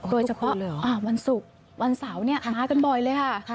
โดยเฉพาะวันศุกร์วันเสาร์มากันบ่อยเลยค่ะ